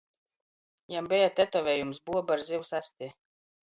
Jam beja teoviejums – buoba ar zivs asti.